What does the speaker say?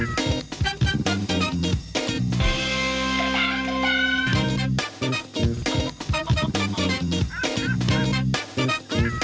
สวัสดีค่ะ